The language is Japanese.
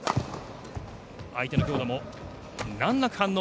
相手の強打も難なく反応。